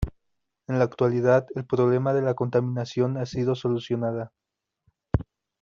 En la actualidad el problema de la contaminación ha sido solucionada.